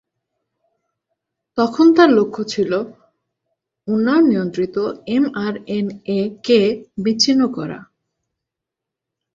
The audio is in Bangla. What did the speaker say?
তখন তার লক্ষ্য ছিল "উন্নয়ন-নিয়ন্ত্রিত এম-আরএনএ- কে বিচ্ছিন্ন করা"।